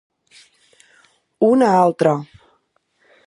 Un a altre.